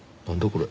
これ。